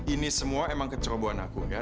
ini semua emang kecerobohan aku ya